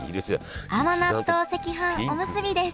甘納豆赤飯おむすびです